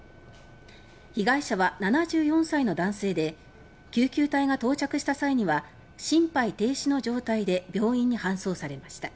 被害者は７４歳の男性で救急隊が到着した際には心肺停止の状態で病院に搬送されました。